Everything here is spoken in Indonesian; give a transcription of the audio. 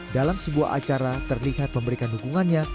dalam sebuah acara terlihat memberikan dukungannya